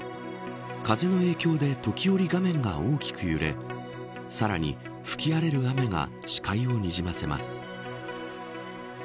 風の影響で時折画面が大きく揺れさらに、吹き荒れる雨が視界をにじませます。